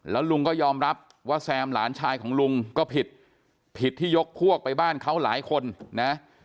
แล้วลุงก็ยอมรับว่าแซมหลานชายของลุงก็ผิดผิดที่ยกพวกไปบ้านเขาหลายคนนะ